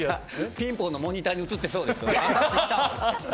ピンポンのモニターに映ってそうですよね。